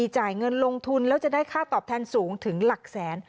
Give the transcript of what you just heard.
จ่ายเงินลงทุนแล้วจะได้ค่าตอบแทนสูงถึงหลักแสน